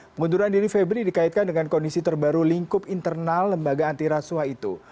pengunduran diri febri dikaitkan dengan kondisi terbaru lingkup internal lembaga antiraswa itu